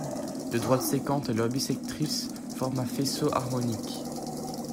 Deux droites sécantes et leurs bissectrices forment un faisceau harmonique.